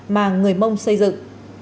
mà người mông xây dựng